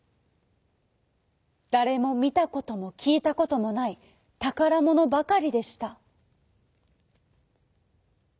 だれもみたこともきいたこともないたからものばかりでした。